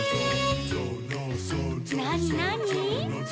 「なになに？」